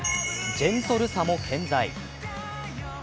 ジェントルさも健在。